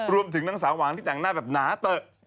รวมถึงนางสาวหวานที่แต่งหน้าแบบหนาเตอะ